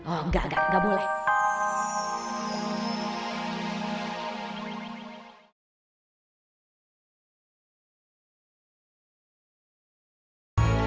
oh enggak enggak boleh